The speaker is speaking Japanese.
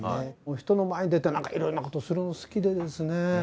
人の前に出て何かいろんなことするの好きでですね。